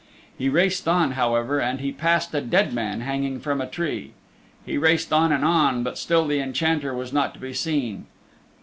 He raced on, however, and he passed a dead man hanging from a tree. He raced on and on, but still the Enchanter was not to be seen.